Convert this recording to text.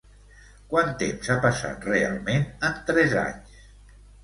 Quant temps ha passat realment en tres anys?